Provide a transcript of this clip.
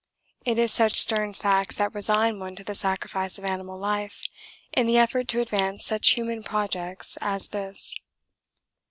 It is such stern facts that resign one to the sacrifice of animal life in the effort to advance such human projects as this.